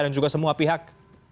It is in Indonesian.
dan juga semua pihak